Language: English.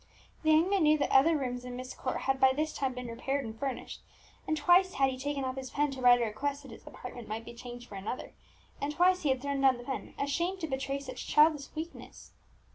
The young man knew that other rooms in Myst Court had by this time been repaired and furnished, and twice had he taken up his pen to write a request that his apartment might be exchanged for another, and twice he had thrown down the pen, ashamed to betray such childish weakness.